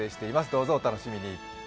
どうぞお楽しみに。